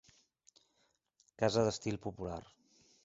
Casa d'estil popular.